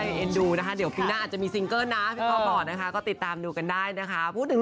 พี่ก๊อตบอกว่าเดี๋ยววันหน้าจะมีซิงเกอร์ก็ติดตามดูกันเลยนะคะ